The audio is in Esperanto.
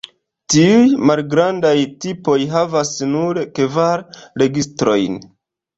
Tiuj malgrandaj tipoj havas nur kvar registrojn.